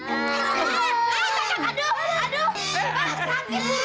aduh ini gantinya masuk kantong ini